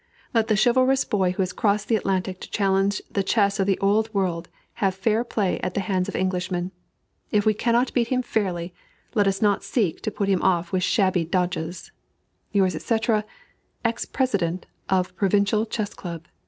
Let the chivalrous boy who has crossed the Atlantic to challenge the chess of the Old World have fair play at the hands of Englishmen. If we cannot beat him fairly, let us not seek to put him off with shabby dodges. Yours, &c. THE EX PRESIDENT OF PROVINCIAL CHESS CLUB.